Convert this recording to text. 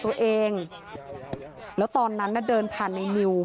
พระคุณที่อยู่ในห้องการรับผู้หญิง